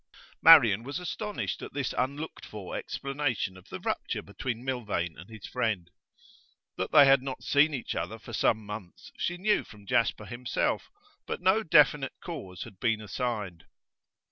Marian was astonished at this unlooked for explanation of the rupture between Milvain and his friend. That they had not seen each other for some months she knew from Jasper himself but no definite cause had been assigned.